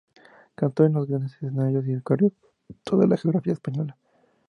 Cantó en los grandes escenarios y recorrió toda la geografía española.